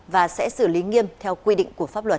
và sẽ xử lý nghiêm theo quy định của pháp luật